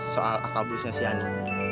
soal akal bulusnya shani